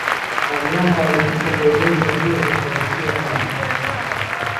Wanyama walikufa kwa ugonjwa huu hukaukiwa maji